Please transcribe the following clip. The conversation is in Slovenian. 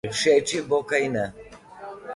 Všeč ji bo, kajne?